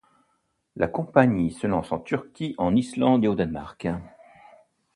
La compagnie se lance en Turquie, en Islande et au Danemark.